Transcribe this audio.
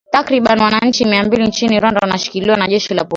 takriban wananchi mia mbili nchini rwanda wanashikiliwa na jeshi la polisi